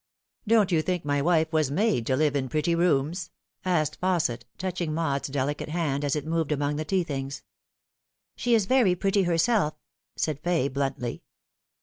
" Don't you think my wife was made to live in pretty rooms?" asked Fausset, touching Maud's delicate hand as it moved among the tea things. " She is very pretty herself," said Fay bluntly.